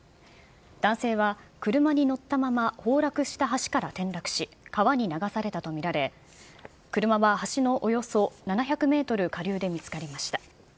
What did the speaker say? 男性は、車に乗ったまま、崩落した橋から転落し、川に流されたと見られ、車は橋のおよそ７００メートル下流で見つかりました。